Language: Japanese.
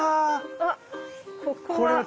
あここは。